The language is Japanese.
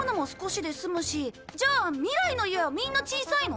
じゃあ未来の家はみんな小さいの？